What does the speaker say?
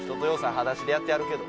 裸足でやってはるけど。